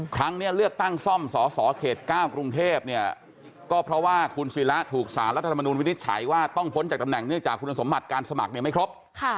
ครั้งนี้เลือกตั้งซ่อมสสเขต๙กรุงเทพเนี่ยก็เพราะว่าคุณศิระถูกสารรัฐธรรมนุนวินิจฉัยว่าต้องพ้นจากตำแหน่งเนื่องจากคุณสมบัติการสมัครเนี่ยไม่ครบ